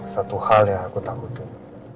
satu hal yang aku takutin